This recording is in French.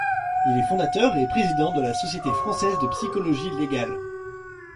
Il est fondateur et président de la Société française de psychologie légale.